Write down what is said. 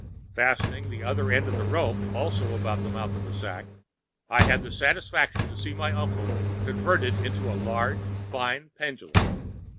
Fastening the other end of the rope also about the mouth of the sack, I had the satisfaction to see my uncle converted into a large, fine pendulum.